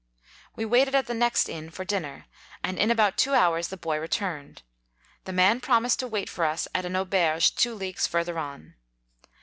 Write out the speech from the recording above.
We waited at the next inn for dinner, and in about two hours the boy re turned. The man promised to wait for us at an auberge two leagues further on.